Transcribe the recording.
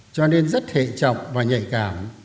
cho nên rất hệ trọng và nhạy cảm